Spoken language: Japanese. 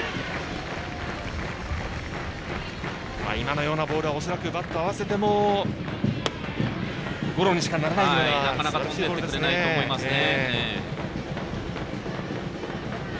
今のようなボールは恐らくバットを合わせてもゴロにしかならないようなボールですね。